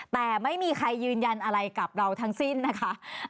แต่ไม่มีใครยืนยันอะไรกับเราทั้งสิ้นนะคะ